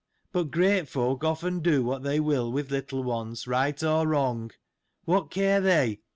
But great folk often do what they will with little ones, right or wrong : What care they